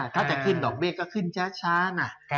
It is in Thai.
ถ้าจะขึ้นดอกเบี้ยก็ขึ้นช้านะ